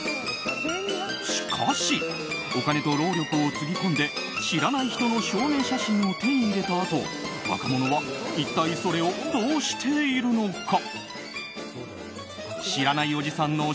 しかし、お金と労力をつぎ込んで知らない人の証明写真を手に入れたあと若者は一体それをどうしているのか？